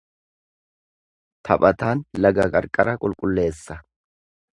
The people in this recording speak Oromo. Taphataan laga qarqara qulqulleessa.